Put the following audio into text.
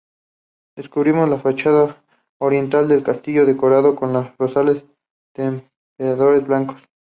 Descubrimos la fachada oriental del castillo, decorado con rosales trepadores blancos.